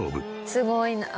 「すごいな。